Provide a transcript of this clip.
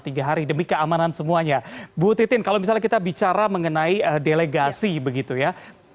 tiga hari demi keamanan semuanya bu titin kalau misalnya kita bicara mengenai delegasi begitu ya